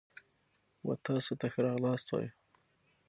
و تاسو ته ښه راغلاست وایو.